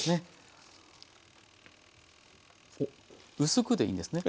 薄くでいいんですね？